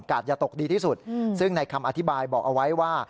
อย่าตกดีที่สุดซึ่งในคำอธิบายบอกเอาไว้ว่า